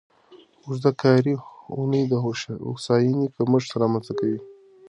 اوږده کاري اونۍ د هوساینې کمښت رامنځته کوي.